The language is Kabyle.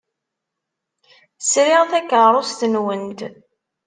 Sriɣ takeṛṛust-nwent.